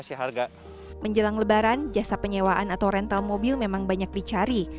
seharga menjelang lebaran jasa penyewaan atau rental mobil memang banyak dicari